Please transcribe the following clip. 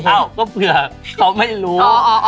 เอ้าก็เผื่อเขาไม่รู้